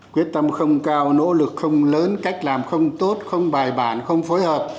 quyết tâm không cao nỗ lực không lớn cách làm không tốt không bài bản không phối hợp